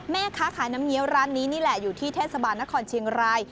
แม่ค้าขายน้ำเงี้ยวร้านนี้นี่แหละอยู่ที่เทศบาลนครเชียงราย